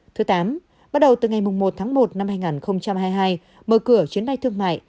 thứ tám bắt đầu từ ngày một tháng một năm hai nghìn hai mươi hai mở cửa chuyến bay thương mại